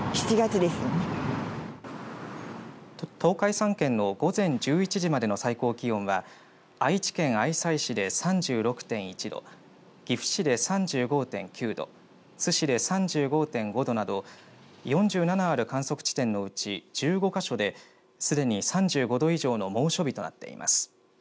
東海３県の午前１１時でまでの最高気温は愛知県愛西市で３６．１度岐阜市で３５．９度津市で３５．５度など４７ある観測地点のうち１５か所ですでに３５度以上の猛暑日となっています。